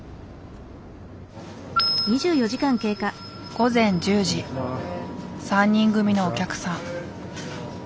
午前１０時３人組のお客さん。